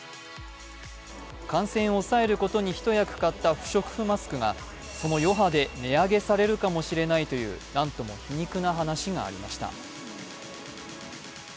感染を抑えることに一役買った不織布マスクがその余波で値上げされるかもしれないという、なんとも皮肉な話がありました。